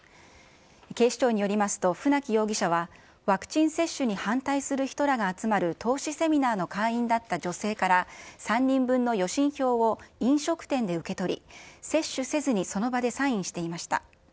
警視庁によりますと、船木容疑者は、ワクチン接種に反対する人らが集まる投資セミナーの会員だった女性から、３人分の予診票を飲食店で受け取り、接種せずにその場でサインしていました。